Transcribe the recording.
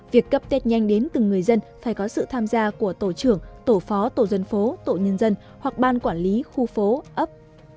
việc cấp tết nhanh đến từng người dân phải có sự tham gia của tổ trưởng tổ phó tổ dân phố tổ nhân dân hoặc ban quản lý khu phố ấp